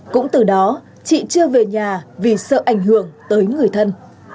cũng từ đó chị chưa về nhà vì sợ ảnh hưởng tới người thân